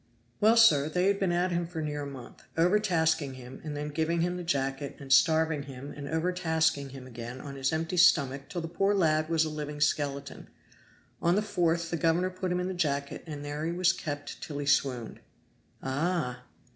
"Well, sir, they had been at him for near a month, overtasking him and then giving him the jacket, and starving him and overtasking him again on his empty stomach till the poor lad was a living skeleton. On the fourth the governor put him in the jacket, and there he was kept till he swooned." "Ah!"